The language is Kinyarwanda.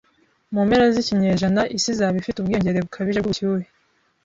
Mu mpera z'ikinyejana, isi izaba ifite ubwiyongere bukabije bw'ubushyuhe